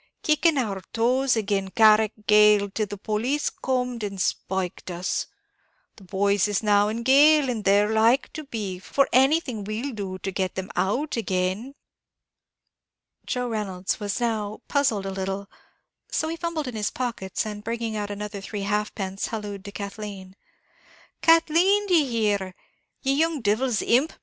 kicking our toes agin Carrick Gaol, till the police comed and spiked us? The boys is now in gaol, and there they're like to be, for anything we'll do to get 'em out again." Joe Reynolds was now puzzled a little, so he fumbled in his pockets, and bringing out another three halfpence, hallooed to Kathleen. "Kathleen, d'ye hear, ye young divil's imp!